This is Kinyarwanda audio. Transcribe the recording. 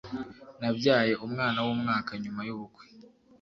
Nabyaye umwana wumwaka nyuma yubukwe.